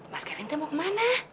mas kevin teh mau ke mana